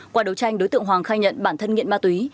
qua đấu tranh đối tượng hoàng khai nhận bản thân nghiện ma túy